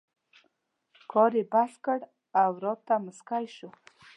کار یې بس کړ او راته مسکی شو.